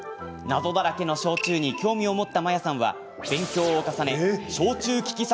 謎だらけの焼酎に興味を持ったマヤさんは、勉強を重ね焼酎きき